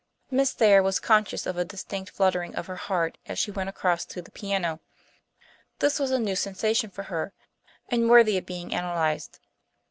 Miss Thayer was conscious of a distinct fluttering of her heart as she went across to the piano. This was a new sensation for her, and worthy of being analyzed.